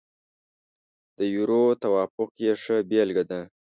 د یورو توافق یې ښه بېلګه ده.